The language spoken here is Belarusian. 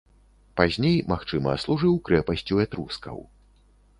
Пазней, магчыма, служыў крэпасцю этрускаў.